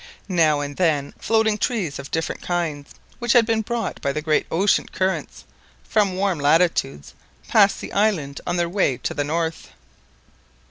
Now and then floating trees of different kinds, which had been brought by the great ocean currents from warm latitudes, passed the island on their way to the north.